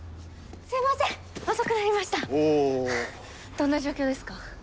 どんな状況ですか？